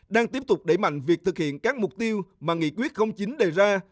đang tiếp tục đẩy mạnh việc thực hiện các mục tiêu mà nghị quyết không chính đề ra